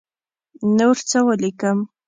نور څه ولیکم.